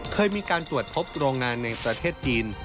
เคยมีการตรวจพบโรงงานในประเทศจีน